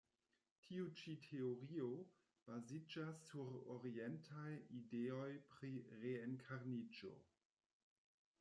Tiu ĉi teorio baziĝas sur orientaj ideoj pri reenkarniĝo.